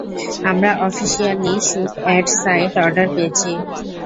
আমরা officially shoot at sight order পেয়েছি।